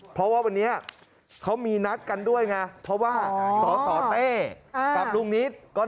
เพราะว่าวันนี้เขามีนัดกันด้วยไง